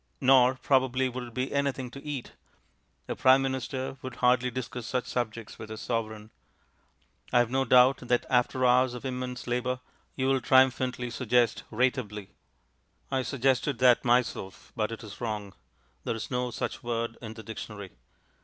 Nor, probably, would it be anything to eat; a Prime Minister would hardly discuss such subjects with his Sovereign. I have no doubt that after hours of immense labour you will triumphantly suggest "rateably." I suggested that myself, but it is wrong. There is no such word in the dictionary.